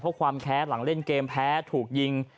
เพราะความแค้นหลังเล่นเกมแพ้ถูกยิง